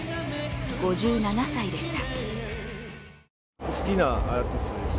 ５７歳でした。